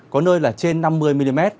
có nơi là trên năm mươi mm